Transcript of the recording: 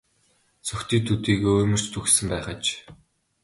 Согтуу төдийгүй уймарч түгшсэн байх аж.